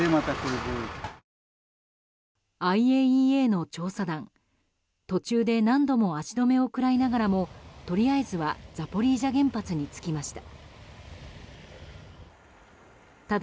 ＩＡＥＡの調査団途中で何度も足止めを食らいながらもとりあえずはザポリージャ原発に着きました。